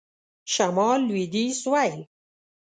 شمال .. لویدیځ .. سوېل ..